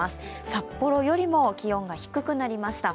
札幌よりも気温が低くなりました。